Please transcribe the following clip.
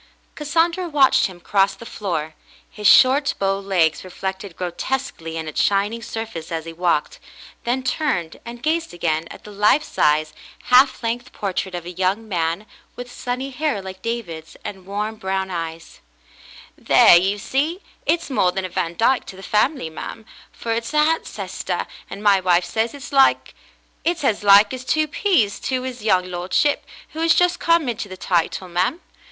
Cassandra watched him cross the floor, his short bow legs reflected grotesquely in its shining surface as he walked, then turned and gazed again at the life size, half length portrait of a young man with sunny hair like David's and warm brown eyes. David's Ancestors 269 "There, you see, it's more than a Vandyke to the family, ma'm, for it's a hancestor, and my wife says it's as like as two peas to 'is young lordship, who has just come into the title, ma'm.